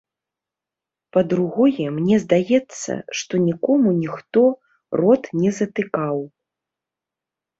Па-другое, мне здаецца, што нікому ніхто рот не затыкаў.